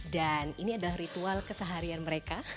dan ini adalah ritual keseharian mereka